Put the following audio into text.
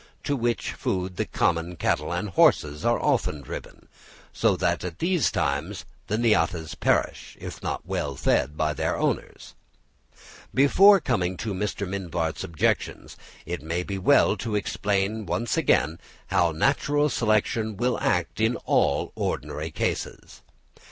to which food the common cattle and horses are then driven; so that at these times the Niatas perish, if not fed by their owners. Before coming to Mr. Mivart's objections, it may be well to explain once again how natural selection will act in all ordinary cases.